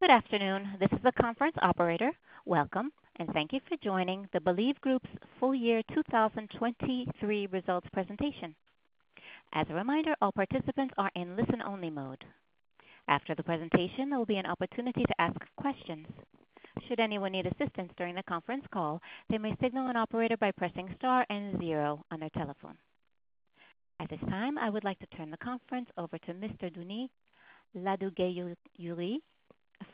Good afternoon. This is the conference operator. Welcome, and thank you for joining the Believe Group's full-year 2023 results presentation. As a reminder, all participants are in listen-only mode. After the presentation, there will be an opportunity to ask questions. Should anyone need assistance during the conference call, they may signal an operator by pressing star and zero on their telephone. At this time, I would like to turn the conference over to Mr. Denis Ladegaillerie,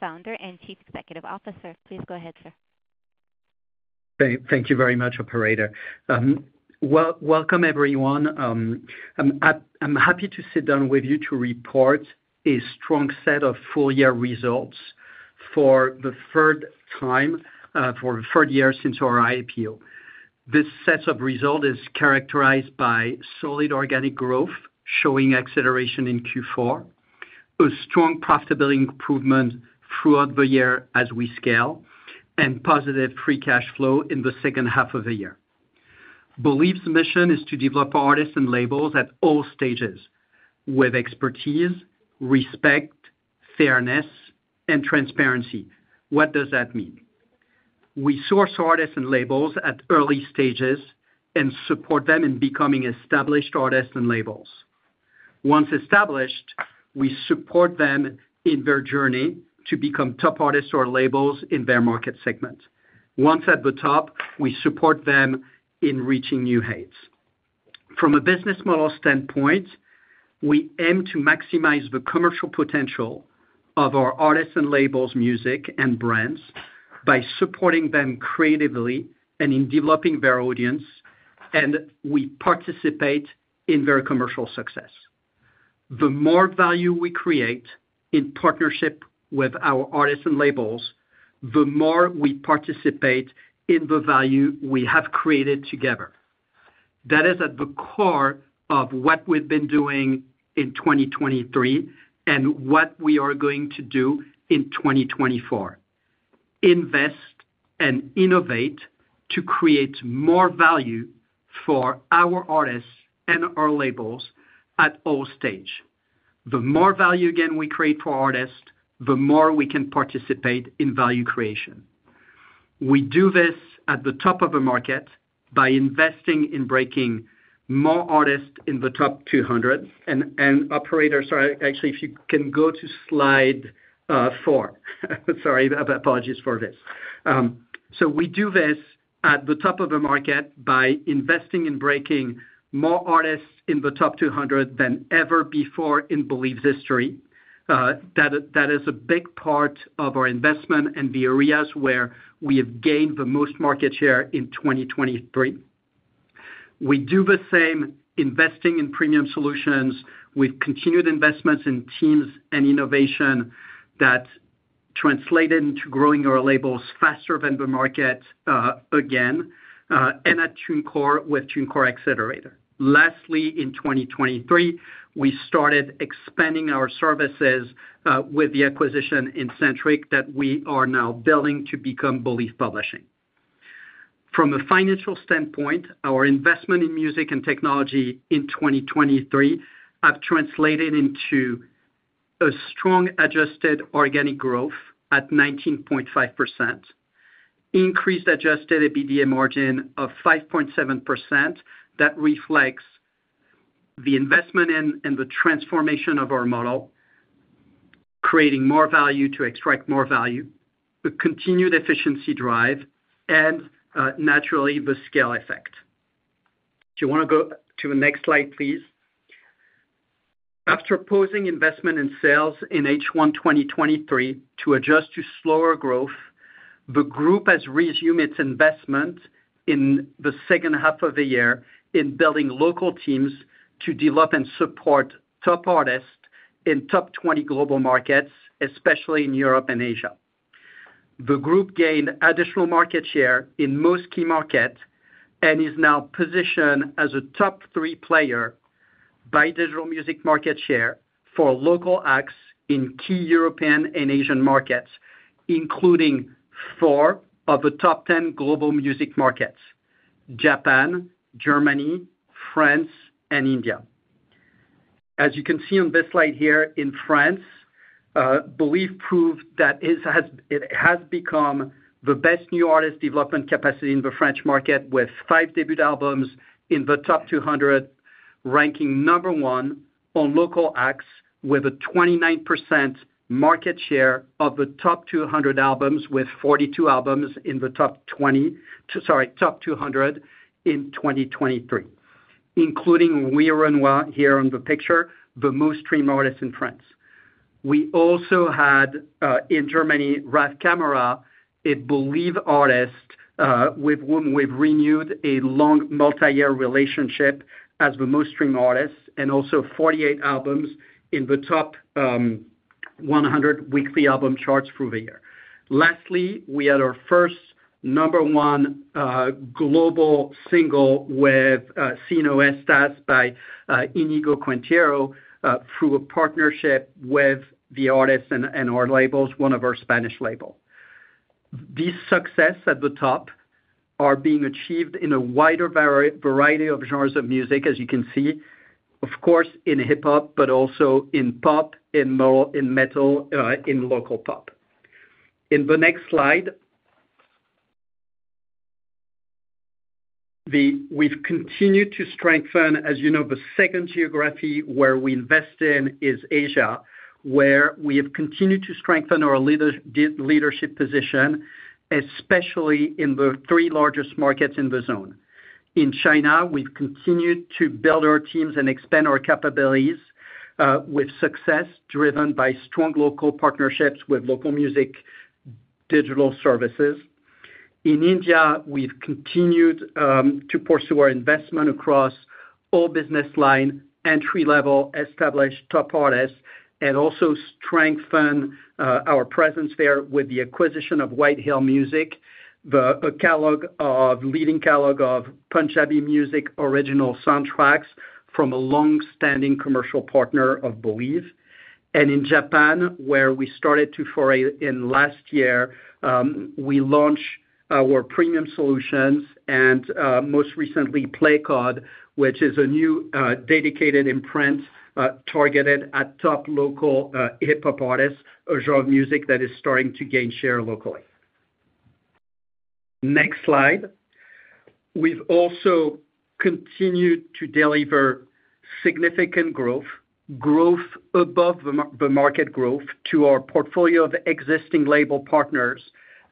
Founder and Chief Executive Officer. Please go ahead, sir. Thank you very much, operator. Welcome, everyone. I'm happy to sit down with you to report a strong set of full-year results for the third time, for the third year since our IPO. This set of results is characterized by solid organic growth showing acceleration in Q4, a strong profitability improvement throughout the year as we scale, and positive free cash flow in the second half of the year. Believe's mission is to develop artists and labels at all stages with expertise, respect, fairness, and transparency. What does that mean? We source artists and labels at early stages and support them in becoming established artists and labels. Once established, we support them in their journey to become top artists or labels in their market segment. Once at the top, we support them in reaching new heights. From a business model standpoint, we aim to maximize the commercial potential of our artists and labels' music and brands by supporting them creatively and in developing their audience, and we participate in their commercial success. The more value we create in partnership with our artists and labels, the more we participate in the value we have created together. That is at the core of what we've been doing in 2023 and what we are going to do in 2024: invest and innovate to create more value for our artists and our labels at all stages. The more value, again, we create for artists, the more we can participate in value creation. We do this at the top of the market by investing in breaking more artists in the top 200 and operator, sorry, actually, if you can go to slide four. Sorry, apologies for this. We do this at the top of the market by investing in breaking more artists in the top 200 than ever before in Believe's history. That is a big part of our investment and the areas where we have gained the most market share in 2023. We do the same investing in premium solutions with continued investments in teams and innovation that translated into growing our labels faster than the market, again, and at TuneCore with TuneCore Accelerator. Lastly, in 2023, we started expanding our services, with the acquisition in Sentric that we are now building to become Believe Publishing. From a financial standpoint, our investment in music and technology in 2023 have translated into a strong adjusted organic growth at 19.5%, increased adjusted EBITDA margin of 5.7% that reflects the investment in and the transformation of our model, creating more value to extract more value, a continued efficiency drive, and, naturally, the scale effect. If you want to go to the next slide, please. After pausing investment and sales in H1 2023 to adjust to slower growth, the group has resumed its investment in the second half of the year in building local teams to develop and support top artists in top 20 global markets, especially in Europe and Asia. The group gained additional market share in most key markets and is now positioned as a top three player by digital music market share for local acts in key European and Asian markets, including four of the top 10 global music markets: Japan, Germany, France, and India. As you can see on this slide here, in France, Believe proved that it has become the best new artist development capacity in the French market with five debut albums in the top 200, ranking number one on local acts with a 29% market share of the top 200 albums with 42 albums in the top 20 sorry, top 200 in 2023, including Werenoi here on the picture, the most streamed artist in France. We also had in Germany RAF Camora, a Believe artist, with whom we've renewed a long multi-year relationship as the most streamed artist and also 48 albums in the top 100 weekly album charts through the year. Lastly, we had our first number 1 global single with Si No Estás by Íñigo Quintero through a partnership with the artists and our labels, one of our Spanish labels. These successes at the top are being achieved in a wider variety of genres of music, as you can see, of course, in hip-hop, but also in pop, in more, in all, in metal, in local pop. In the next slide, we've continued to strengthen, as you know, the second geography where we invest in is Asia, where we have continued to strengthen our leadership position, especially in the three largest markets in the zone. In China, we've continued to build our teams and expand our capabilities, with success driven by strong local partnerships with local music digital services. In India, we've continued to pursue our investment across all business line, entry-level, established top artists, and also strengthen our presence there with the acquisition of White Hill Music, the leading catalog of Punjabi music original soundtracks from a longstanding commercial partner of Believe. In Japan, where we started to foray in last year, we launched our premium solutions and most recently PlayCode, which is a new dedicated imprint targeted at top local hip-hop artists, a genre of music that is starting to gain share locally. Next slide. We've also continued to deliver significant growth above the market growth to our portfolio of existing label partners.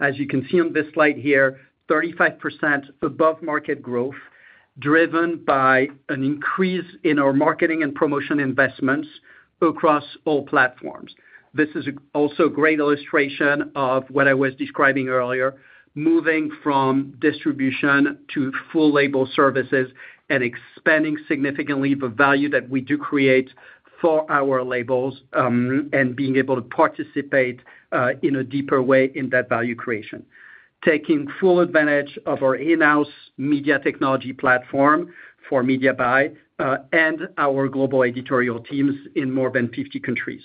As you can see on this slide here, 35% above market growth driven by an increase in our marketing and promotion investments across all platforms. This is also a great illustration of what I was describing earlier, moving from distribution to full label services and expanding significantly the value that we do create for our labels, and being able to participate, in a deeper way in that value creation, taking full advantage of our in-house media technology platform for Mediabuy, and our global editorial teams in more than 50 countries.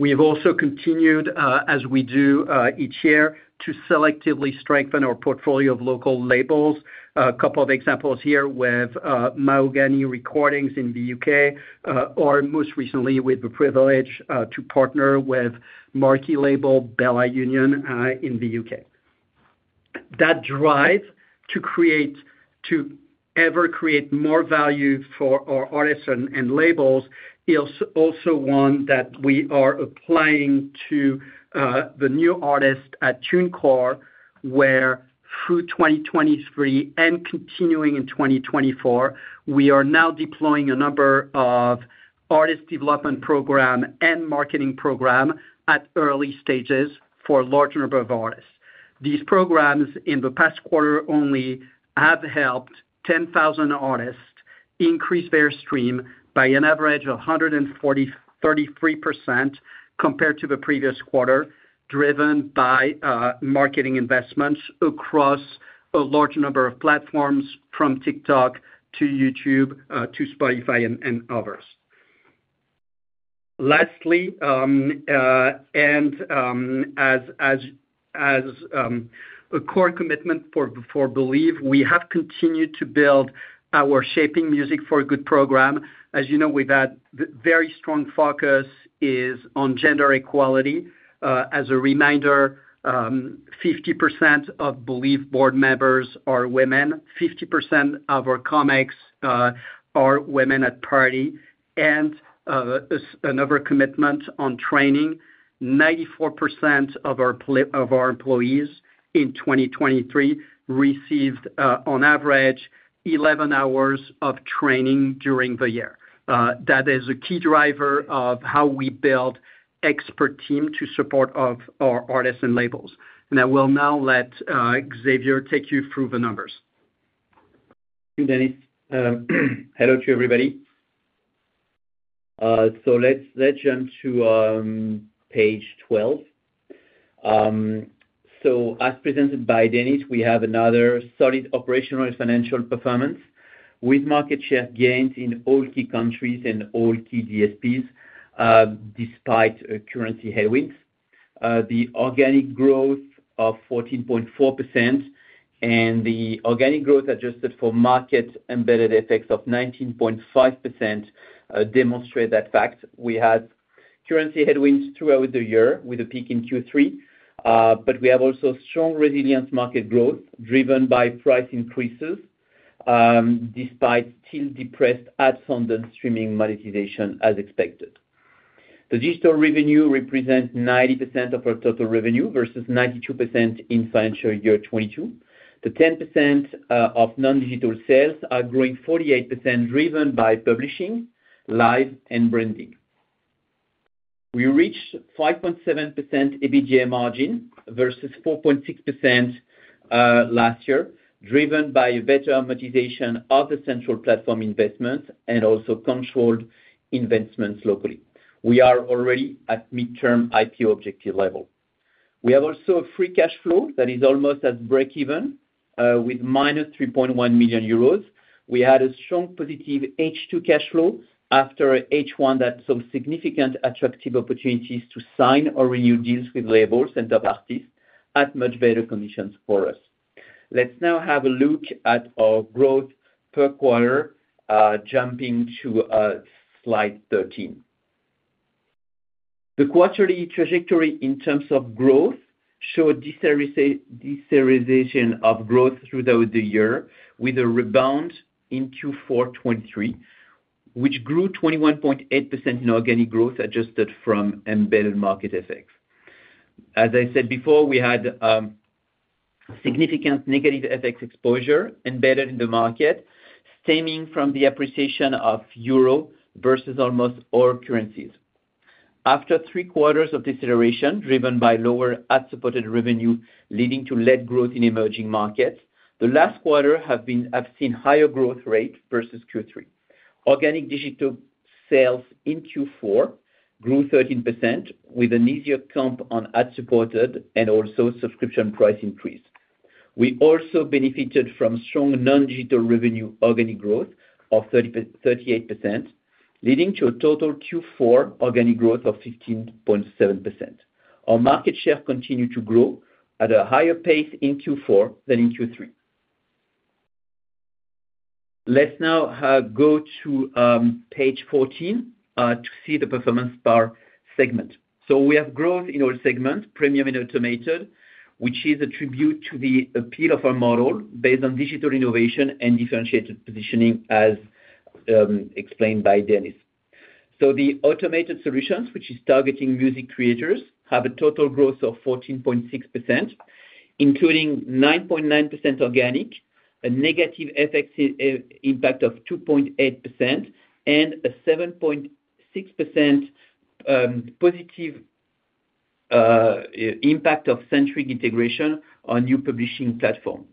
We have also continued, as we do, each year, to selectively strengthen our portfolio of local labels. A couple of examples here with, Mahogany Recordings in the U.K., or most recently with the privilege, to partner with marquee label Bella Union, in the U.K. That drive to create to ever create more value for our artists and labels is also one that we are applying to the new artists at TuneCore, where through 2023 and continuing in 2024, we are now deploying a number of artist development programs and marketing programs at early stages for a large number of artists. These programs, in the past quarter only, have helped 10,000 artists increase their streams by an average of 143% compared to the previous quarter, driven by marketing investments across a large number of platforms, from TikTok to YouTube, to Spotify and others. Lastly, as a core commitment for Believe, we have continued to build our Shaping Music for Good program. As you know, we've had a very strong focus on gender equality. As a reminder, 50% of Believe board members are women, 50% of our committees are women at parity. Another commitment on training: 94% of our employees in 2023 received, on average, 11 hours of training during the year. That is a key driver of how we build expert teams to support our artists and labels. I will now let Xavier take you through the numbers. Thank you, Denis. Hello to everybody. So let's, let's jump to page 12. So as presented by Denis, we have another solid operational and financial performance with market share gains in all key countries and all key DSPs, despite currency headwinds. The organic growth of 14.4% and the organic growth adjusted for market embedded FX of 19.5% demonstrate that fact. We had currency headwinds throughout the year, with a peak in Q3, but we have also strong resilient market growth driven by price increases, despite still depressed ad-supported streaming monetization as expected. The digital revenue represents 90% of our total revenue versus 92% in financial year 2022. The 10% of non-digital sales are growing 48% driven by publishing, live, and branding. We reached 5.7% EBITDA margin versus 4.6% last year, driven by a better monetization of the central platform investments and also controlled investments locally. We are already at midterm IPO objective level. We have also a free cash flow that is almost as break-even, with -3.1 million euros. We had a strong positive H2 cash flow after H1 that saw significant attractive opportunities to sign or renew deals with labels and top artists at much better conditions for us. Let's now have a look at our growth per quarter, jumping to slide 13. The quarterly trajectory in terms of growth showed deceleration of growth throughout the year with a rebound in Q4 2023, which grew 21.8% in organic growth adjusted from embedded market FX. As I said before, we had significant negative FX exposure embedded in the market, stemming from the appreciation of euro versus almost all currencies. After three quarters of deceleration driven by lower ad-supported revenue leading to lower growth in emerging markets, the last quarter has been. I've seen higher growth rates versus Q3. Organic digital sales in Q4 grew 13% with an easier comp on ad-supported and also subscription price increase. We also benefited from strong non-digital revenue organic growth of 38%, leading to a total Q4 organic growth of 15.7%. Our market share continued to grow at a higher pace in Q4 than in Q3. Let's now go to page 14 to see the performance per segment. So we have growth in all segments, premium and automated, which is a tribute to the appeal of our model based on digital innovation and differentiated positioning, as explained by Denis. So the automated solutions, which is targeting music creators, have a total growth of 14.6%, including 9.9% organic, a negative FX impact of 2.8%, and a 7.6% positive impact of Sentric integration on new publishing platforms.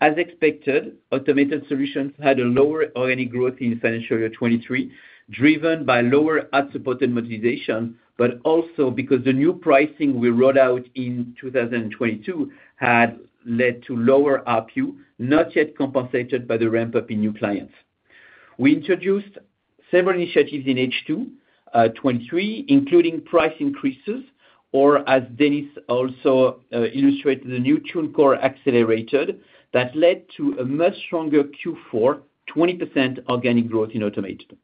As expected, automated solutions had a lower organic growth in financial year 2023 driven by lower ad-supported monetization, but also because the new pricing we rolled out in 2022 had led to lower ARPU, not yet compensated by the ramp-up in new clients. We introduced several initiatives in H2 2023, including price increases, or as Denis also illustrated, the new TuneCore Accelerator that led to a much stronger Q4 20% organic growth in automated.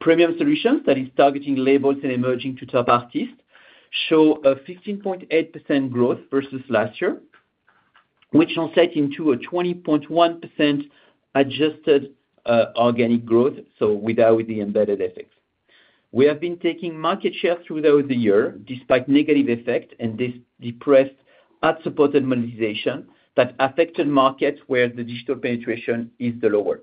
Premium solutions that is targeting labels and emerging to top artists show a 15.8% growth versus last year, which translate into a 20.1% adjusted organic growth, so without the embedded FX. We have been taking market share throughout the year despite negative FX and this depressed ad-supported monetization that affected markets where the digital penetration is the lower.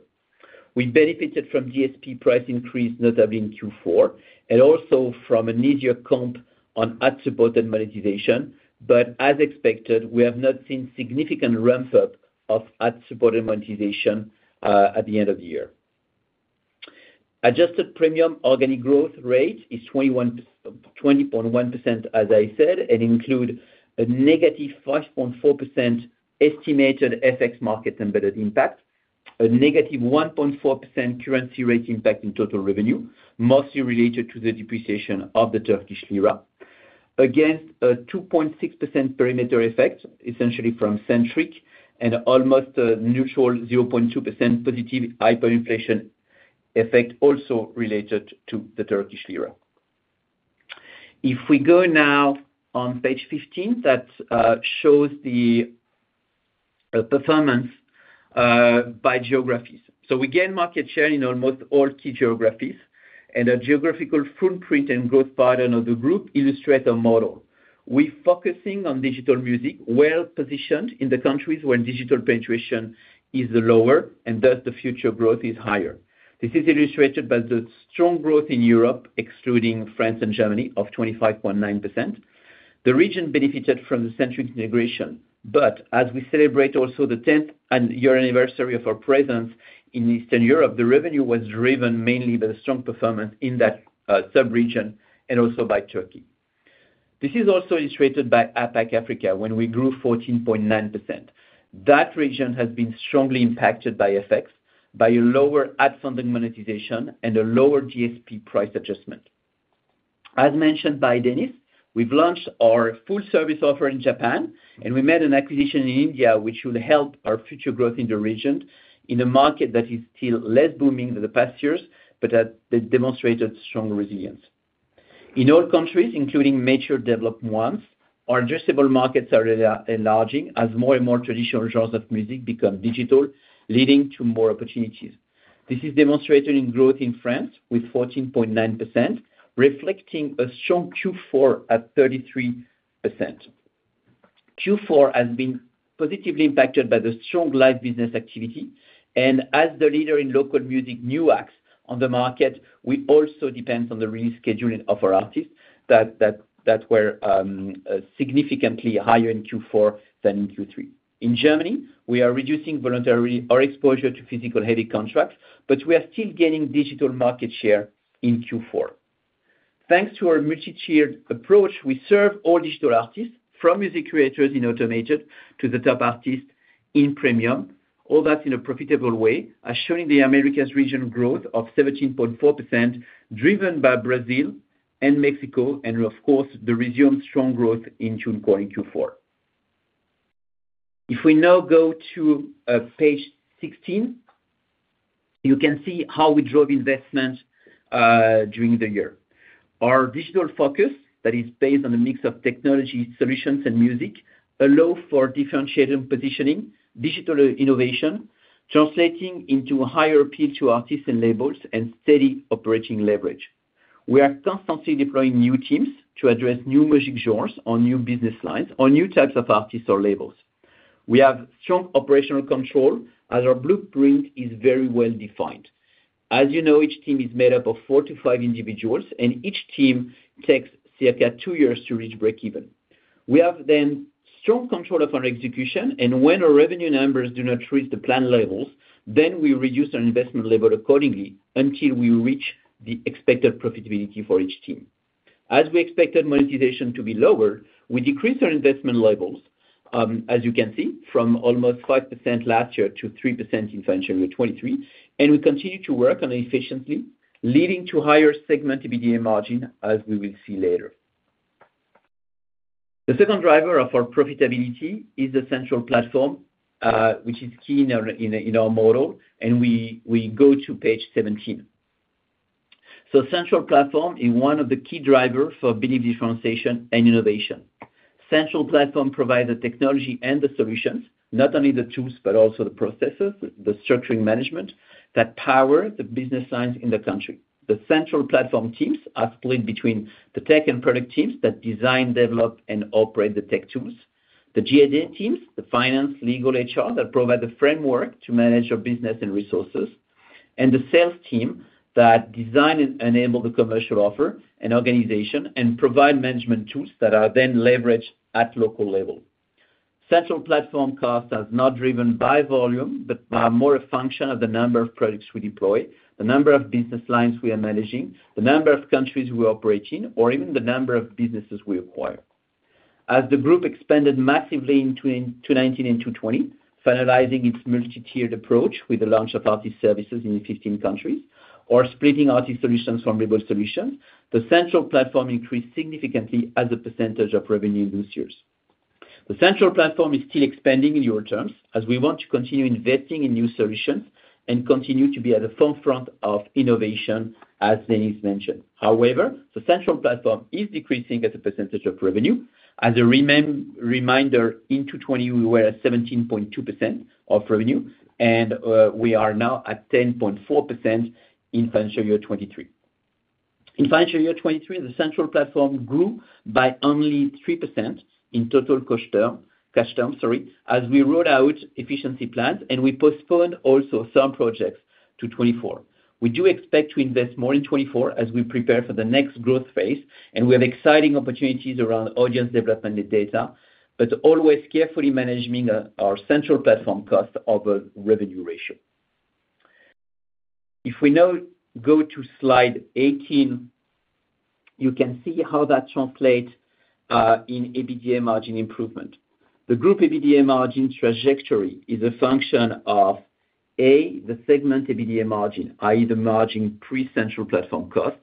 We benefited from DSP price increase, notably in Q4, and also from an easier comp on ad-supported monetization. But as expected, we have not seen significant ramp-up of ad-supported monetization at the end of the year. Adjusted premium organic growth rate is 21% 20.1%, as I said, and includes a negative 5.4% estimated FX market embedded impact, a negative 1.4% currency rate impact in total revenue, mostly related to the depreciation of the Turkish lira, against a 2.6% perimeter effect, essentially from Sentric, and almost a neutral 0.2% positive hyperinflation effect also related to the Turkish lira. If we go now on page 15, that shows the performance by geographies. So we gain market share in almost all key geographies, and a geographical footprint and growth pattern of the group illustrate our model. We're focusing on digital music well positioned in the countries where digital penetration is the lower, and thus the future growth is higher. This is illustrated by the strong growth in Europe, excluding France and Germany, of 25.9%. The region benefited from the Sentric integration. But as we celebrate also the 10th year anniversary of our presence in Eastern Europe, the revenue was driven mainly by the strong performance in that subregion and also by Turkey. This is also illustrated by APAC Africa, when we grew 14.9%. That region has been strongly impacted by FX by a lower ad-supported monetization and a lower DSP price adjustment. As mentioned by Denis, we've launched our full-service offer in Japan, and we made an acquisition in India, which will help our future growth in the region in a market that is still less booming than the past years but that demonstrated strong resilience. In all countries, including major developed ones, our addressable markets are enlarging as more and more traditional genres of music become digital, leading to more opportunities. This is demonstrated in growth in France with 14.9%, reflecting a strong Q4 at 33%. Q4 has been positively impacted by the strong live business activity. As the leader in local music, Naïve, on the market, we also depend on the release scheduling of our artists that were significantly higher in Q4 than in Q3. In Germany, we are reducing voluntarily our exposure to physical heavy contracts, but we are still gaining digital market share in Q4. Thanks to our multi-tiered approach, we serve all digital artists, from music creators in automated to the top artists in premium, all that in a profitable way, as shown in the Americas region growth of 17.4% driven by Brazil and Mexico and, of course, the resumed strong growth in TuneCore in Q4. If we now go to page 16, you can see how we drove investment during the year. Our digital focus, that is based on a mix of technology, solutions, and music, allowed for differentiated positioning, digital innovation, translating into a higher appeal to artists and labels, and steady operating leverage. We are constantly deploying new teams to address new music genres or new business lines or new types of artists or labels. We have strong operational control as our blueprint is very well defined. As you know, each team is made up of four to five individuals, and each team takes circa 2 years to reach break-even. We have then strong control of our execution. And when our revenue numbers do not reach the planned levels, then we reduce our investment level accordingly until we reach the expected profitability for each team. As we expected monetization to be lower, we decreased our investment levels, as you can see, from almost 5% last year to 3% in financial year 2023. And we continue to work on it efficiently, leading to higher segment EBITDA margin, as we will see later. The second driver of our profitability is the central platform, which is key in our model. And we go to page 17. So central platform is one of the key drivers for Believe differentiation and innovation. Central platform provides the technology and the solutions, not only the tools but also the processes, the structuring management that power the business lines in the country. The central platform teams are split between the tech and product teams that design, develop, and operate the tech tools, the G&A teams, the finance, legal, HR that provide the framework to manage your business and resources, and the sales team that design and enable the commercial offer and organization and provide management tools that are then leveraged at local level. Central platform costs are not driven by volume but are more a function of the number of products we deploy, the number of business lines we are managing, the number of countries we operate in, or even the number of businesses we acquire. As the group expanded massively in 2019 and 2020, finalizing its multi-tiered approach with the launch of artists' services in 15 countries or splitting artists' solutions from label solutions, the central platform increased significantly as a percentage of revenue in those years. The central platform is still expanding in your terms as we want to continue investing in new solutions and continue to be at the forefront of innovation, as Denis mentioned. However, the central platform is decreasing as a percentage of revenue. As a reminder in 2020, we were at 17.2% of revenue, and we are now at 10.4% in financial year 2023. In financial year 2023, the central platform grew by only 3% in total cost terms cash terms, sorry, as we rolled out efficiency plans and we postponed also some projects to 2024. We do expect to invest more in 2024 as we prepare for the next growth phase. We have exciting opportunities around audience development and data, but always carefully managing our central platform cost over revenue ratio. If we now go to slide 18, you can see how that translates, in EBITDA margin improvement. The group EBITDA margin trajectory is a function of, A, the segment EBITDA margin, i.e., the margin pre-central platform cost.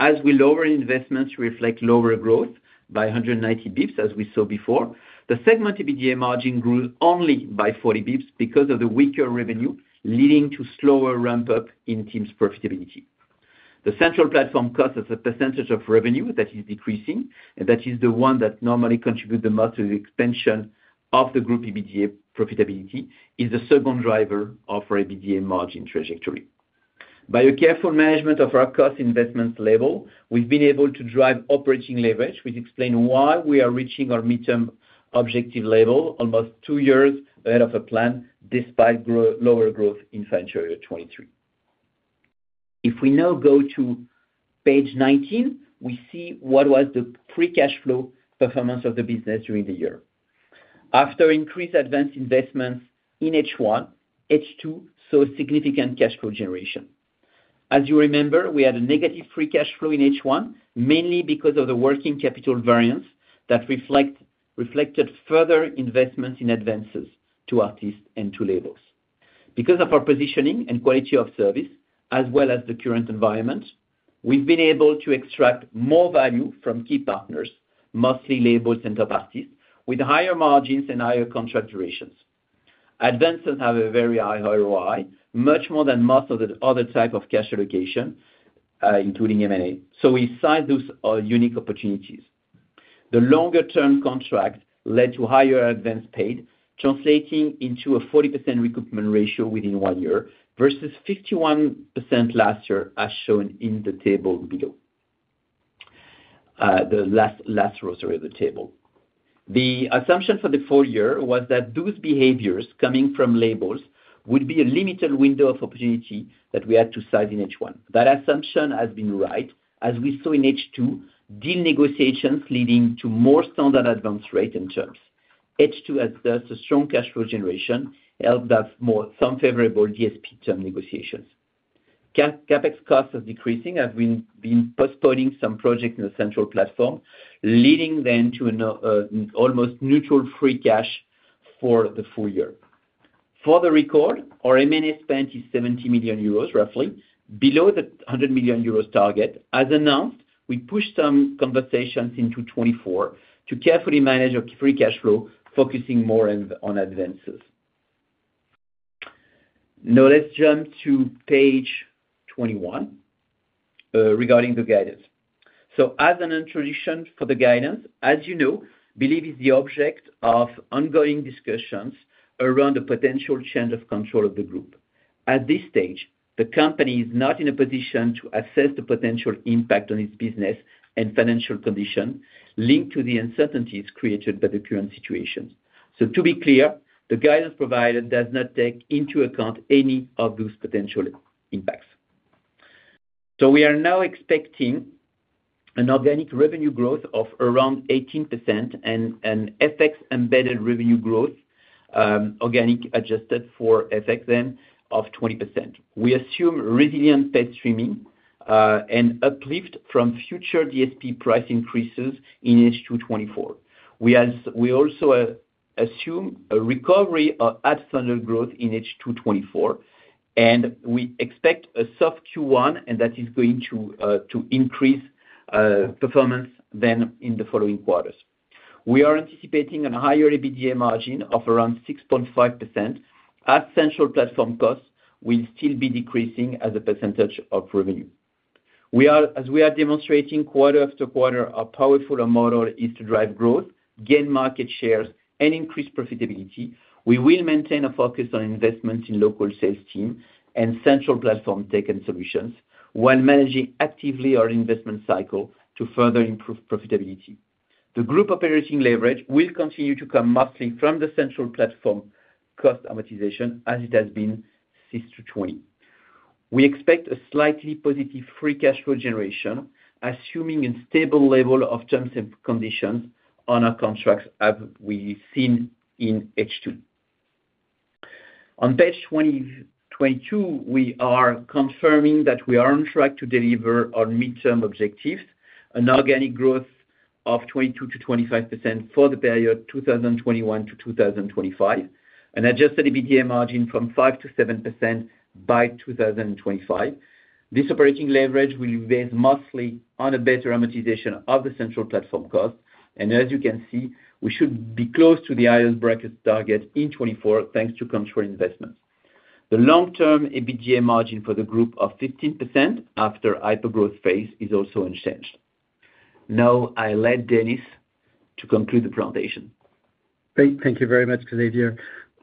As we lower investments, we reflect lower growth by 190 basis points, as we saw before. The segment EBITDA margin grew only by 40 basis points because of the weaker revenue, leading to slower ramp-up in teams' profitability. The central platform cost as a percentage of revenue that is decreasing, and that is the one that normally contributes the most to the expansion of the group EBITDA profitability, is the second driver of our EBITDA margin trajectory. By a careful management of our cost investments level, we've been able to drive operating leverage. We explain why we are reaching our midterm objective level, almost two years ahead of a plan, despite lower growth in financial year 2023. If we now go to page 19, we see what was the free cash flow performance of the business during the year. After increased advance investments in H1, H2 saw significant cash flow generation. As you remember, we had a negative free cash flow in H1, mainly because of the working capital variance that reflected further investments in advances to artists and to labels. Because of our positioning and quality of service, as well as the current environment, we've been able to extract more value from key partners, mostly labels and top artists, with higher margins and higher contract durations. Advances have a very high ROI, much more than most of the other types of cash allocation, including M&A. So we saw those unique opportunities. The longer-term contract led to higher advances paid, translating into a 40% recoupment ratio within one year versus 51% last year, as shown in the table below, the last row of the table. The assumption for the full year was that those behaviors coming from labels would be a limited window of opportunity that we had to size in H1. That assumption has been right, as we saw in H2, deal negotiations leading to more standard advance rate and terms. H2 has thus a strong cash flow generation, helped by some more favorable DSP term negotiations. CapEx costs are decreasing. I've been postponing some projects in the central platform, leading then to an almost neutral free cash flow for the full year. For the record, our M&A spend is 70 million euros, roughly, below the 100 million euros target. As announced, we pushed some conversations into 2024 to carefully manage our free cash flow, focusing more on advances. Now, let's jump to page 21, regarding the guidance. As an introduction for the guidance, as you know, Believe is the object of ongoing discussions around the potential change of control of the group. At this stage, the company is not in a position to assess the potential impact on its business and financial condition linked to the uncertainties created by the current situation. To be clear, the guidance provided does not take into account any of those potential impacts. We are now expecting an organic revenue growth of around 18% and an FX embedded revenue growth, organic adjusted for FX then of 20%. We assume resilient paid streaming, and uplift from future DSP price increases in H2 2024. We also assume a recovery of ad-supported growth in H2 2024. We expect a soft Q1, and that is going to increase performance then in the following quarters. We are anticipating a higher EBITDA margin of around 6.5% as central platform costs will still be decreasing as a percentage of revenue. We are, as we are demonstrating quarter after quarter, our powerful model is to drive growth, gain market shares, and increase profitability. We will maintain a focus on investments in local sales team and central platform tech and solutions while managing actively our investment cycle to further improve profitability. The group operating leverage will continue to come mostly from the central platform cost amortization as it has been since 2020. We expect a slightly positive free cash flow generation, assuming a stable level of terms and conditions on our contracts as we've seen in H2. On page 20-22, we are confirming that we are on track to deliver our midterm objectives, an organic growth of 22%-25% for the period 2021 to 2025, an adjusted EBITDA margin from 5%-7% by 2025. This operating leverage will be based mostly on a better amortization of the central platform cost. And as you can see, we should be close to the EBITDA brackets target in 2024 thanks to control investments. The long-term EBITDA margin for the group of 15% after hypergrowth phase is also unchanged. Now, I'll let Denis to conclude the presentation. Great. Thank you very much, Xavier.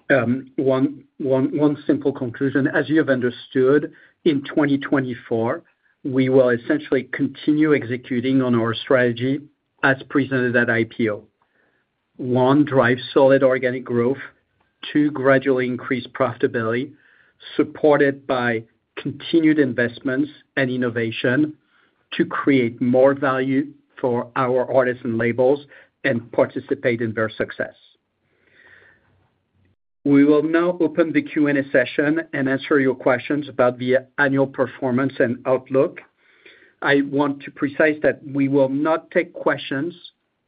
One simple conclusion. As you have understood, in 2024, we will essentially continue executing on our strategy as presented at IPO. One, drive solid organic growth. Two, gradually increase profitability supported by continued investments and innovation to create more value for our artists and labels and participate in their success. We will now open the Q&A session and answer your questions about the annual performance and outlook. I want to specify that we will not take questions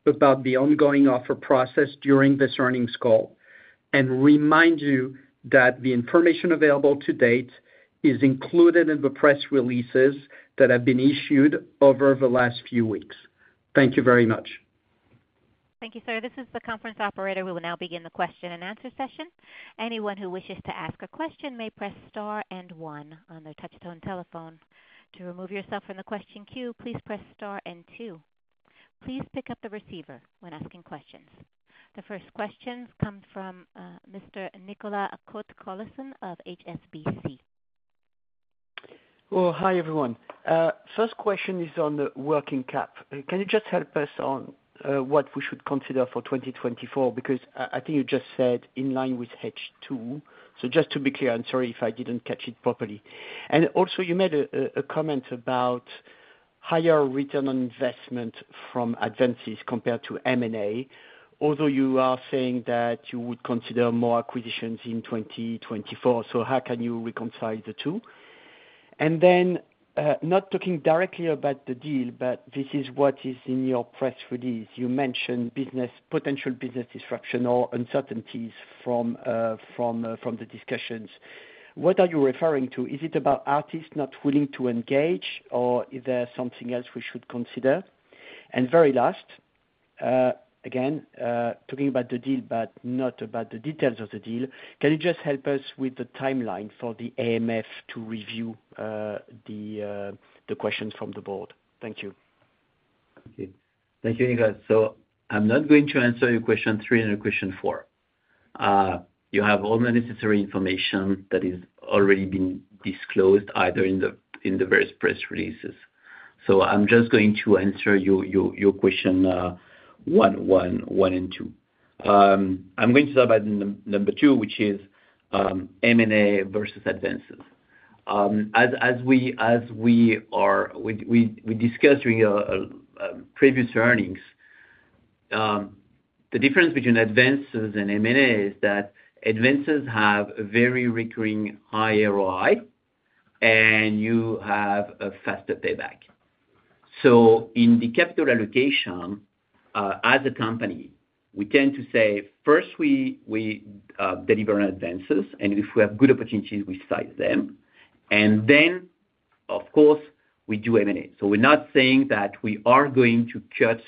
about the ongoing offer process during this earnings call and remind you that the information available to date is included in the press releases that have been issued over the last few weeks. Thank you very much. Thank you, sir. This is the conference operator. We will now begin the question-and-answer session. Anyone who wishes to ask a question may press star and one on their touch-tone telephone. To remove yourself from the question queue, please press star and two. Please pick up the receiver when asking questions. The first question comes from Mr. Nicolas Cote-Colisson of HSBC. Well, hi, everyone. First question is on the working cap. Can you just help us on, what we should consider for 2024? Because I think you just said in line with H2. So just to be clear, I'm sorry if I didn't catch it properly. And also, you made a comment about higher return on investment from advances compared to M&A, although you are saying that you would consider more acquisitions in 2024. So how can you reconcile the two? And then, not talking directly about the deal, but this is what is in your press release. You mentioned business potential business disruption or uncertainties from the discussions. What are you referring to? Is it about artists not willing to engage, or is there something else we should consider? And very last, again, talking about the deal but not about the details of the deal, can you just help us with the timeline for the AMF to review, the questions from the board? Thank you. Thank you. Thank you, Nicolas. So I'm not going to answer your question three and your question four. You have all the necessary information that has already been disclosed either in the various press releases. So I'm just going to answer your question one and two. I'm going to start by number two, which is, M&A versus advances. As we discussed during our previous earnings, the difference between advances and M&A is that advances have a very recurring high ROI, and you have a faster payback. So in the capital allocation, as a company, we tend to say, first, we deliver advances. And if we have good opportunities, we size them. And then, of course, we do M&A. So we're not saying that we are going to cut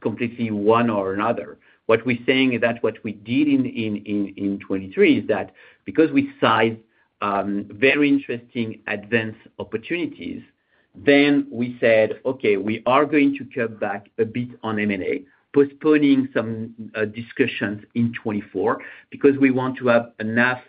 completely one or another. What we're saying is that what we did in 2023 is that because we sized very interesting advance opportunities, then we said, "Okay, we are going to cut back a bit on M&A," postponing some discussions in 2024 because we want to have enough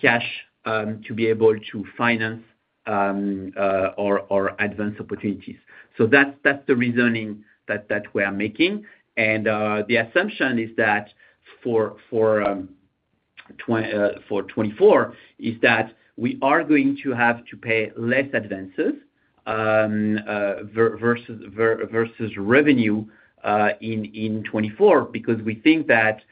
cash to be able to finance our advance opportunities. So that's the reasoning that we are making. The assumption is that for 2024 is that we are going to have to pay less advances versus revenue in 2024 because we think that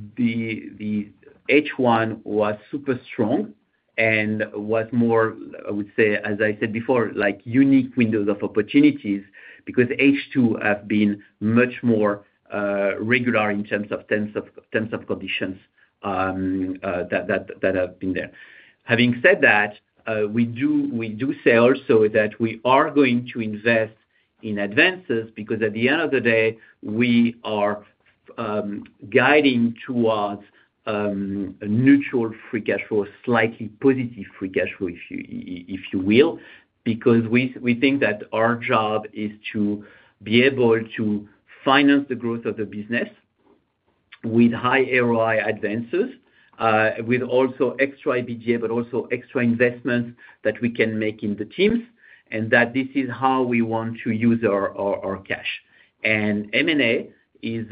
the H1 was super strong and was more, I would say, as I said before, like unique windows of opportunities because H2 have been much more regular in terms of conditions that have been there. Having said that, we do say also that we are going to invest in advances because at the end of the day, we are guiding towards a neutral free cash flow, a slightly positive free cash flow, if you will, because we think that our job is to be able to finance the growth of the business with high ROI advances, with also extra EBITDA but also extra investments that we can make in the teams and that this is how we want to use our cash. And M&A is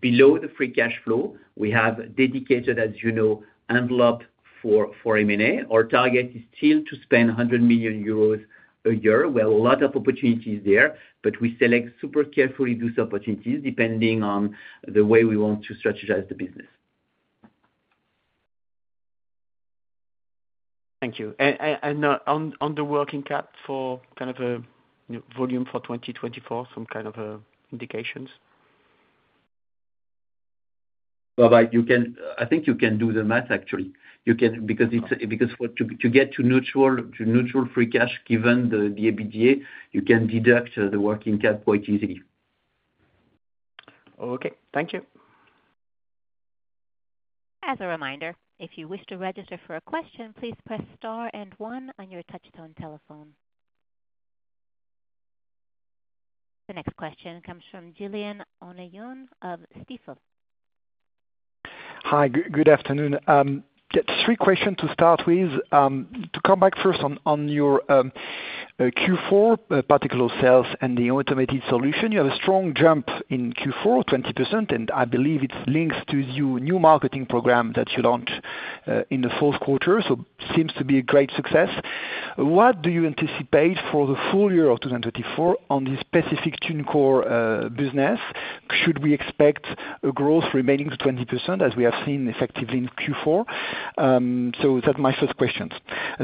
below the free cash flow. We have dedicated, as you know, envelope for M&A. Our target is still to spend 100 million euros a year. We have a lot of opportunities there, but we select super carefully those opportunities depending on the way we want to strategize the business. Thank you. On the working cap for kind of a volume for 2024, some kind of indications? Well, but you can, I think you can do the math, actually. You can because it's for to get to neutral free cash given the EBITDA, you can deduct the working cap quite easily. Okay. Thank you. As a reminder, if you wish to register for a question, please press star and one on your touch-tone telephone. The next question comes from Julien Onillon of Stifel. Hi. Good afternoon. Three questions to start with. To come back first on your Q4 particular sales and the automated solution, you have a strong jump in Q4, 20%, and I believe it's links to your new marketing program that you launched in the fourth quarter. So seems to be a great success. What do you anticipate for the full year of 2024 on this specific TuneCore business? Should we expect a growth remaining to 20% as we have seen effectively in Q4? So that's my first question.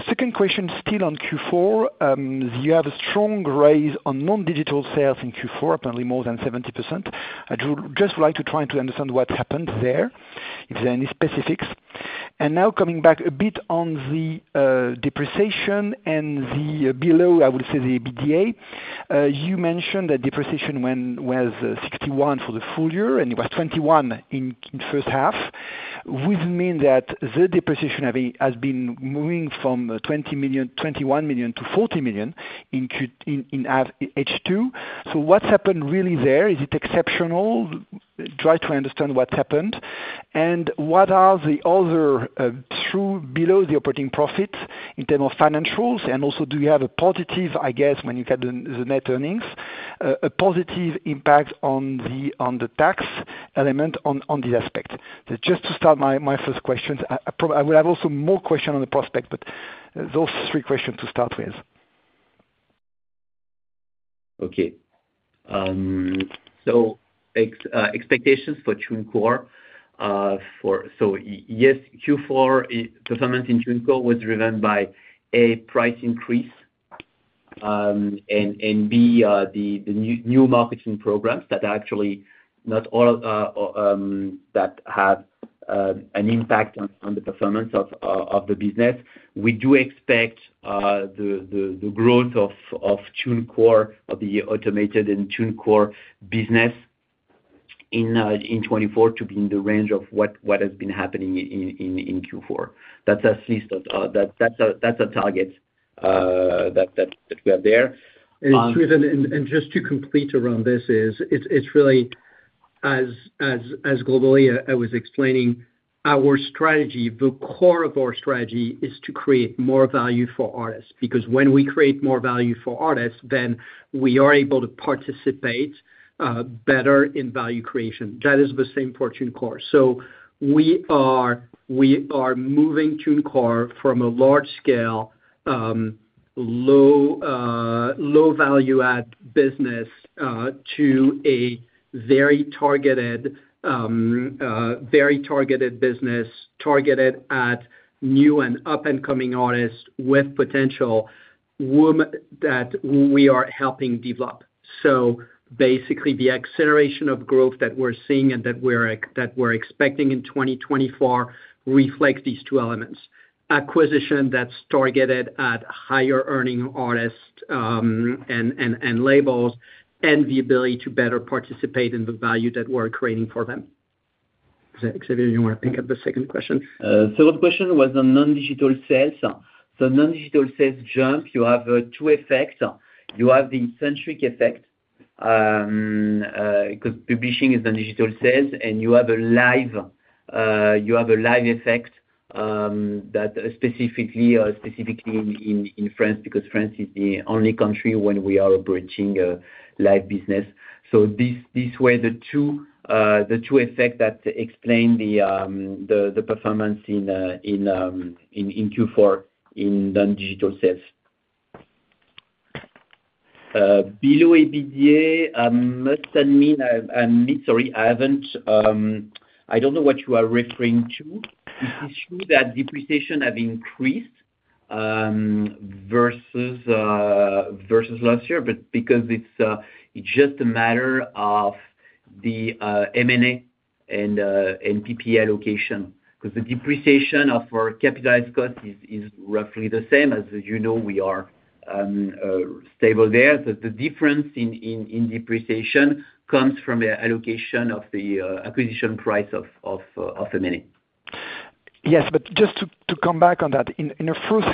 Second question still on Q4, you have a strong rise on non-digital sales in Q4, apparently more than 70%. I'd just like to try to understand what happened there, if there are any specifics. And now coming back a bit on the depreciation and amortization below the EBITDA, you mentioned that depreciation was 61 million for the full year, and it was 21 million in the first half. Would it mean that the depreciation has been moving from 21 million to 40 million in H2? So what's happened really there? Is it exceptional? I'd like to try to understand what's happened. What are the other items below the operating profits in terms of financials? And also, do you have a positive, I guess, when you get the net earnings, a positive impact on the tax element on this aspect? So just to start my first questions, I probably would have also more questions on the prospects, but those three questions to start with. Okay. So expectations for TuneCore, so yes, Q4 performance in TuneCore was driven by, A, price increase, and B, the new marketing programs that are actually not all that have an impact on the performance of the business. We do expect the growth of TuneCore, the automated and TuneCore business in 2024 to be in the range of what has been happening in Q4. That's at least a target that we have there. And just to complete around this, it's really as globally, I was explaining, our strategy. The core of our strategy is to create more value for artists. Because when we create more value for artists, then we are able to participate better in value creation. That is the same for TuneCore. So we are moving TuneCore from a large-scale, low-value-add business to a very targeted business targeted at new and up-and-coming artists with potential that we are helping develop. So basically, the acceleration of growth that we're seeing and that we're expecting in 2024 reflects these two elements: acquisition that's targeted at higher-earning artists and labels, and the ability to better participate in the value that we're creating for them. Is that Xavier, you want to pick up the second question? Third question was on non-digital sales. So non-digital sales jump, you have two FX. You have the acquisition effect, because publishing is non-digital sales, and you have a live effect, that specifically in France because France is the only country where we are operating a live business. So this way, the two FX that explain the performance in Q4 in non-digital sales. Below EBITDA, I must admit I'm sorry, I haven't I don't know what you are referring to. It is true that depreciation has increased, versus last year, but because it's just a matter of the M&A and PPE allocation. Because the depreciation of our capitalized cost is roughly the same as, as you know, we are stable there. The difference in depreciation comes from the allocation of the acquisition price of M&A. Yes, but just to come back on that, in the first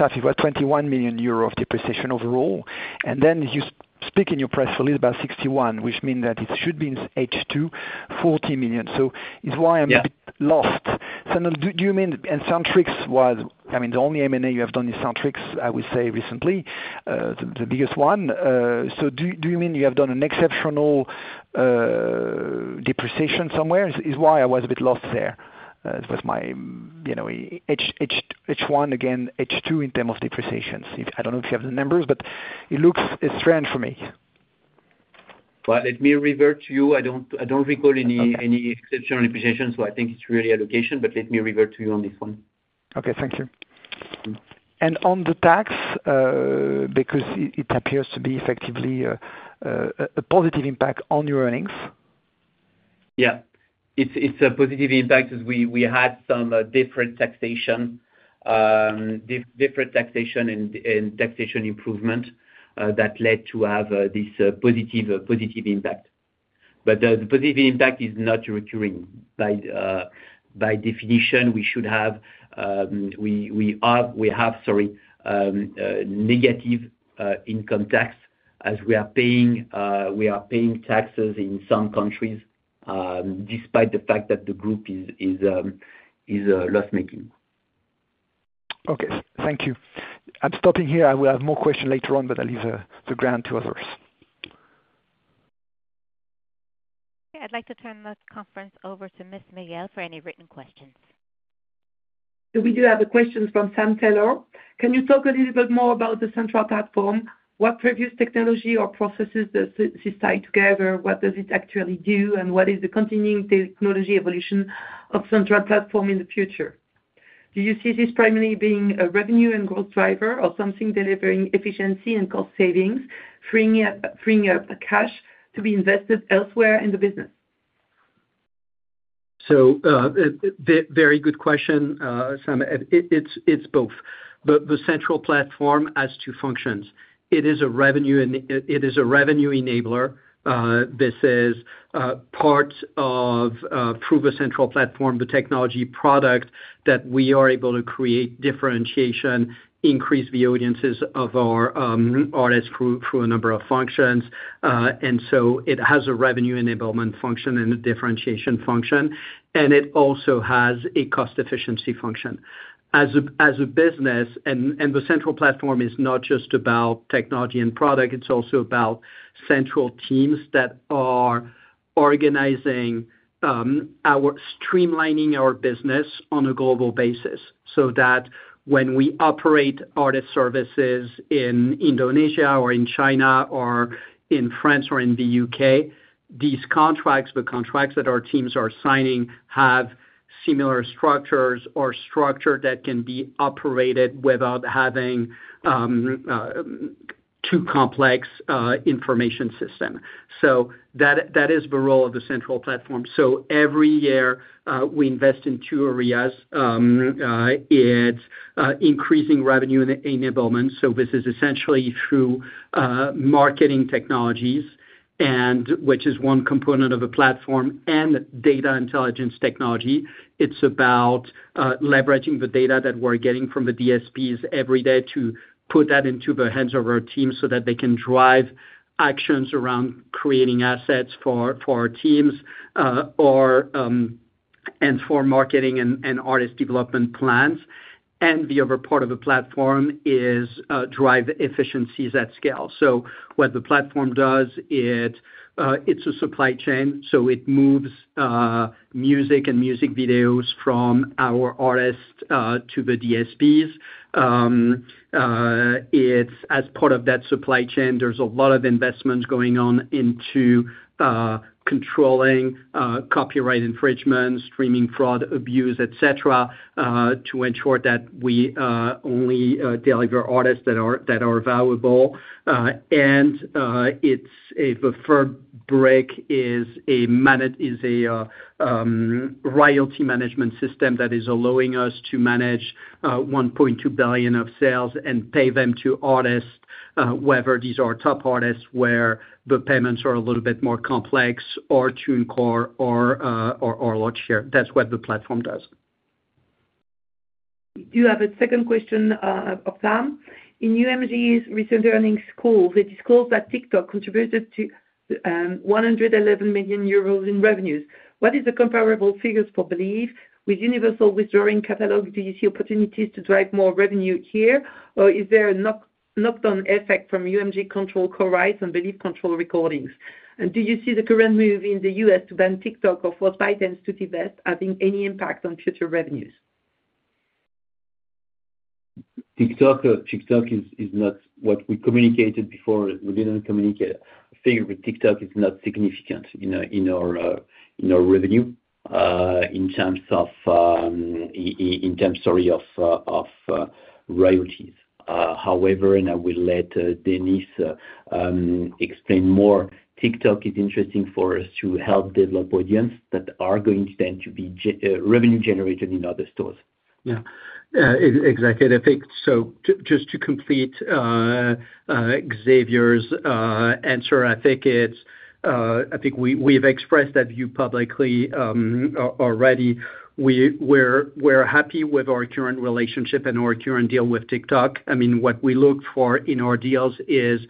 half, it was 21 million euro of depreciation overall. And then you speak in your press release about 61 million, which means that it should be in H2, 40 million. So it's why I'm a bit lost. So now do you mean and Sentric was, I mean, the only M&A you have done is Sentric, I would say, recently, the biggest one. So do you mean you have done an exceptional depreciation somewhere? Is why I was a bit lost there. It was my, you know, H1, again, H2 in terms of depreciation. I don't know if you have the numbers, but it looks strange for me. Well, let me revert to you. I don't recall any exceptional depreciation, so I think it's really allocation. But let me revert to you on this one. Okay. Thank you. And on the tax, because it appears to be effectively a positive impact on your earnings. Yeah. It's a positive impact because we had some different taxation and taxation improvement that led to have this positive impact. But the positive impact is not recurring. By definition, we should have we are we have, sorry, negative income tax as we are paying taxes in some countries, despite the fact that the group is loss-making. Okay. Thank you. I'm stopping here. I will have more questions later on, but I'll leave the ground to others. Okay. I'd like to turn the conference over to Ms. Megel for any written questions. So we do have a question from Sam Taylor. "Can you talk a little bit more about the Central platform? What previous technology or processes does it replace? What does it actually do, and what is the continuing technology evolution of Central platform in the future? Do you see this primarily being a revenue and growth driver or something delivering efficiency and cost savings, freeing up cash to be invested elsewhere in the business?" So, very good question, Sam. It's both. The Central platform has two functions. It is a revenue and it is a revenue enabler. This is part of, through the Central platform, the technology product that we are able to create differentiation, increase the audiences of our artists through a number of functions. And so it has a revenue enablement function and a differentiation function. It also has a cost efficiency function. As a business, the Central platform is not just about technology and product. It's also about central teams that are organizing and streamlining our business on a global basis so that when we operate artist services in Indonesia or in China or in France or in the UK, these contracts, the contracts that our teams are signing, have similar structures or structure that can be operated without having too complex information system. So that is the role of the Central platform. So every year, we invest in two areas. It's increasing revenue enablement. So this is essentially through marketing technologies, which is one component of the platform, and data intelligence technology. It's about leveraging the data that we're getting from the DSPs every day to put that into the hands of our teams so that they can drive actions around creating assets for our teams, or for marketing and artist development plans. And the other part of the platform is drive efficiencies at scale. So what the platform does, it's a supply chain, so it moves music and music videos from our artists to the DSPs. It's, as part of that supply chain, there's a lot of investments going on into controlling copyright infringement, streaming fraud, abuse, etc., to ensure that we only deliver artists that are valuable. and it's the platform. It's a managed royalty management system that is allowing us to manage 1.2 billion of sales and pay them to artists, whether these are top artists where the payments are a little bit more complex or TuneCore or large share. That's what the platform does. We do have a second question, of Sam. "In UMG's recent earnings calls, it is called that TikTok contributed to 111 million euros in revenues. What is the comparable figures for Believe with Universal withdrawing catalog? Do you see opportunities to drive more revenue here, or is there a knock-on effect from UMG-controlled repertoire and Believe-controlled recordings? And do you see the current move in the U.S. to ban TikTok or force ByteDance to divest having any impact on future revenues?" TikTok is not what we communicated before. We didn't communicate a figure. But TikTok is not significant in our revenue, in terms of, sorry, of royalties. However, and I will let Denis explain more, TikTok is interesting for us to help develop audiences that are going then to be revenue generated in other stores. Yeah. Yeah, exactly. And I think, so just to complete Xavier's answer, I think we have expressed that view publicly already. We are happy with our current relationship and our current deal with TikTok. I mean, what we look for in our deals is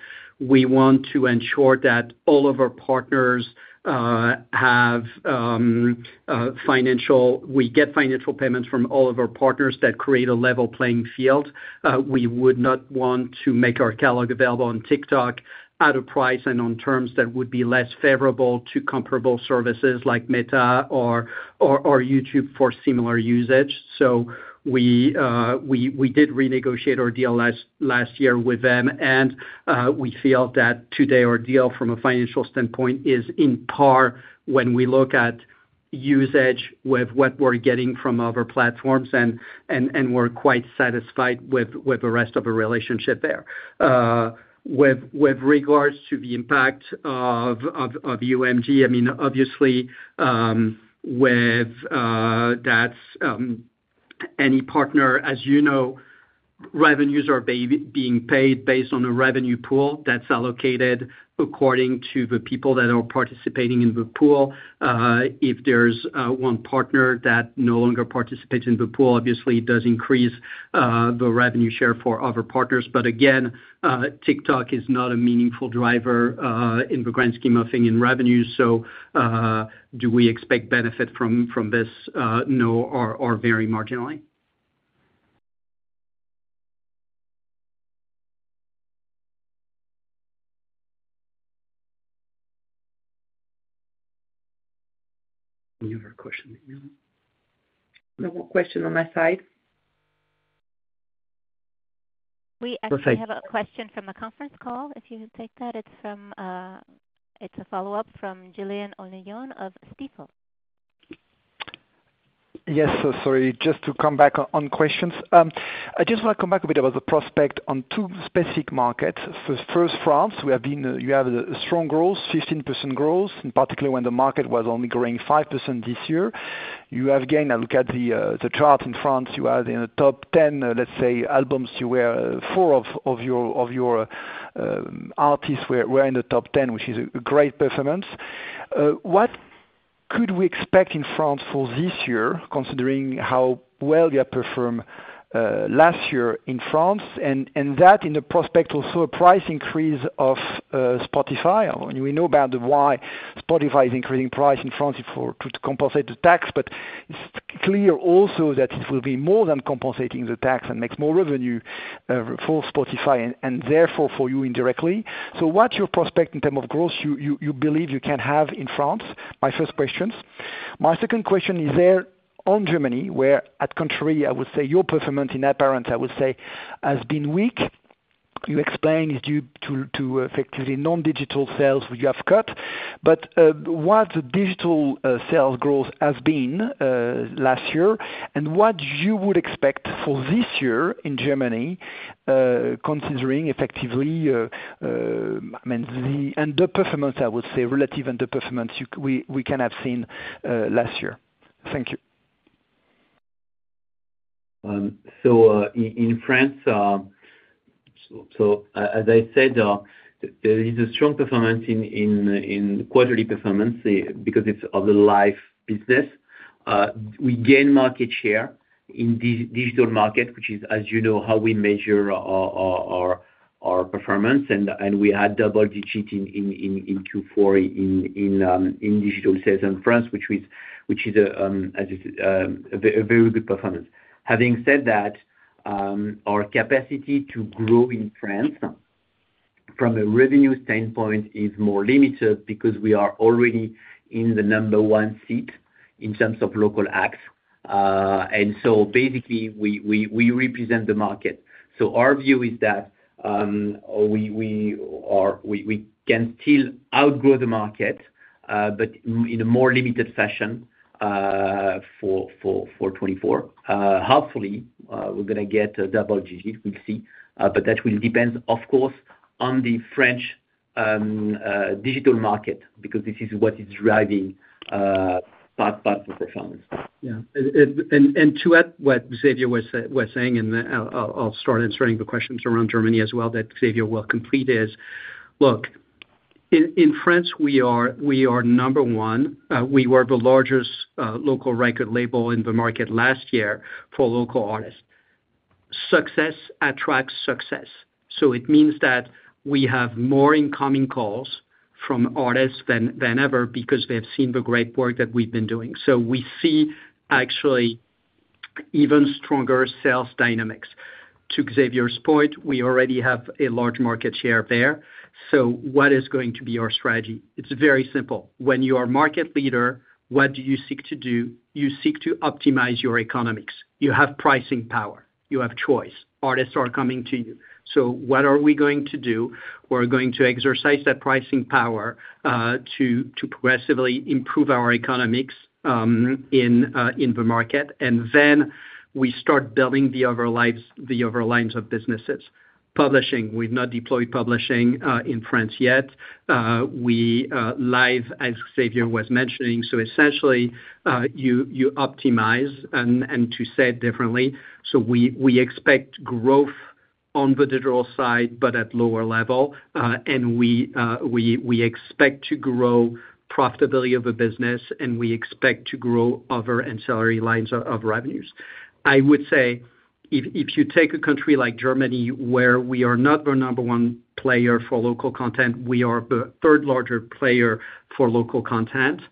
we want to ensure that all of our partners have financial, we get financial payments from all of our partners that create a level playing field. We would not want to make our catalog available on TikTok at a price and on terms that would be less favorable to comparable services like Meta or YouTube for similar usage. So we did renegotiate our deal last year with them, and we feel that today our deal, from a financial standpoint, is on par when we look at usage with what we're getting from other platforms. And we're quite satisfied with the rest of our relationship there. With regards to the impact of UMG, I mean, obviously, that's any partner, as you know, revenues are being paid based on a revenue pool that's allocated according to the people that are participating in the pool. If there's one partner that no longer participates in the pool, obviously, it does increase the revenue share for other partners. But again, TikTok is not a meaningful driver in the grand scheme of thinking revenues. So do we expect benefit from this? No, or very marginally. Any other question? No more question on my side. We actually have a question from the conference call, if you can take that. It's a follow-up from Julien Onillon of Stifel. Yes. Sorry, just to come back on questions. I just want to come back a bit about the prospect on two specific markets. First, France. You have a strong growth, 15% growth, in particular when the market was only growing 5% this year. You have gained. I look at the chart in France. You are in the top 10, let's say, albums. You were four of your artists were in the top 10, which is a great performance. What could we expect in France for this year, considering how well you have performed last year in France? And that in prospect also a price increase of Spotify. We know about why Spotify is increasing price in France to compensate the tax. But it's clear also that it will be more than compensating the tax and makes more revenue for Spotify and therefore for you indirectly. So what's your prospect in terms of growth you believe you can have in France? My first question. My second question is on Germany, where, on the contrary, I would say your performance in appearance, I would say, has been weak? You explained it's due to effectively non-digital sales which you have cut. But what the digital sales growth has been last year, and what you would expect for this year in Germany, considering effectively I mean the performance, I would say, relative, and the performance we can have seen last year. Thank you. So in France, as I said, there is a strong performance in quarterly performance because it's of the live business. We gain market share in the digital market, which is, as you know, how we measure our performance. And we had double digit in Q4 in digital sales in France, which is, as you said, a very good performance. Having said that, our capacity to grow in France from a revenue standpoint is more limited because we are already in the number one seat in terms of local acts. So basically, we represent the market. Our view is that we can still outgrow the market, but in a more limited fashion, for 2024. Hopefully, we're going to get a double-digit. We'll see. But that will depend, of course, on the French digital market because this is what is driving part of the performance. Yeah. To add what Xavier was saying and I'll start answering the questions around Germany as well that Xavier will complete is, look, in France, we are number one. We were the largest local record label in the market last year for local artists. Success attracts success. So it means that we have more incoming calls from artists than ever because they have seen the great work that we've been doing. So we see, actually, even stronger sales dynamics. To Xavier's point, we already have a large market share there. So what is going to be our strategy? It's very simple. When you are market leader, what do you seek to do? You seek to optimize your economics. You have pricing power. You have choice. Artists are coming to you. So what are we going to do? We're going to exercise that pricing power, to progressively improve our economics, in the market. And then we start building the other lines of businesses. Publishing. We've not deployed publishing in France yet. We live, as Xavier was mentioning. So essentially, you optimize and to say it differently, so we expect growth on the digital side but at lower level. and we expect to grow profitability of the business, and we expect to grow other ancillary lines of revenues. I would say if you take a country like Germany where we are not the number one player for local content, we are the third-largest player for local content.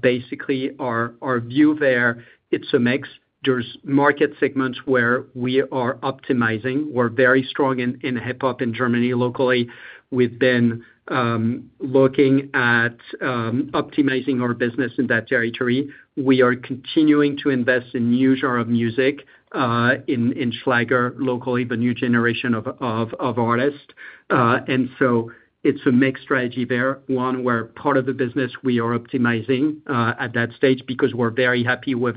Basically, our view there, it's a mix. There's market segments where we are optimizing. We're very strong in hip-hop in Germany locally. We've been looking at optimizing our business in that territory. We are continuing to invest in new genre of music, in Schlager locally, the new generation of artists. So it's a mixed strategy there, one where part of the business we are optimizing, at that stage because we're very happy with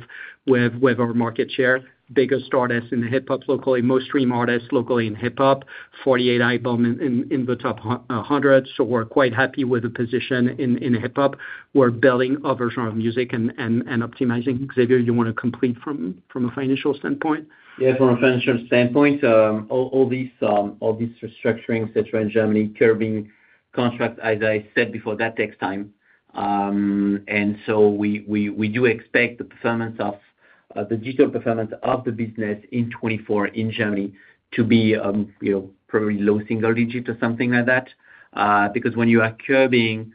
our market share. Biggest artists in hip-hop locally, most stream artists locally in hip-hop, 48 albums in the top 100. So we're quite happy with the position in hip-hop. We're building other genre of music and optimizing. Xavier, you want to complete from a financial standpoint? Yeah, from a financial standpoint, all these restructuring, etc., in Germany, curbing contracts, as I said before, that takes time. So we do expect the performance of the digital performance of the business in 2024 in Germany to be, you know, probably low single digit or something like that. Because when you are curbing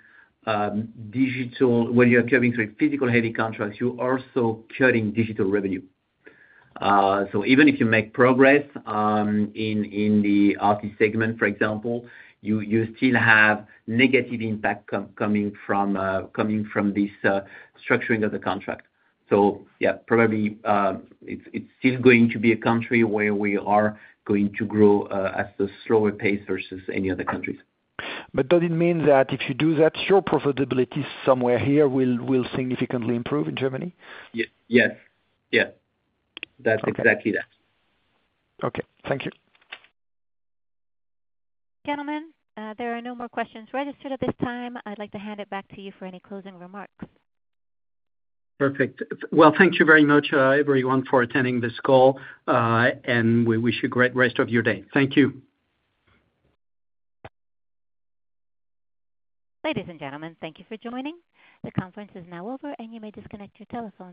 digital when you are curbing, sorry, physical-heavy contracts, you're also cutting digital revenue. So even if you make progress in the artist segment, for example, you still have negative impact coming from this structuring of the contract. So yeah, probably it's still going to be a country where we are going to grow at a slower pace versus any other countries. But does it mean that if you do that, your profitability somewhere here will significantly improve in Germany? Yes. Yes. Yeah. That's exactly that. Okay. Okay. Thank you. Gentlemen, there are no more questions registered at this time. I'd like to hand it back to you for any closing remarks. Perfect. Well, thank you very much, everyone, for attending this call. And we wish you a great rest of your day. Thank you. Ladies and gentlemen, thank you for joining. The conference is now over, and you may disconnect your telephone.